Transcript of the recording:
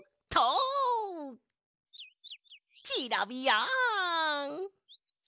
キラビヤン！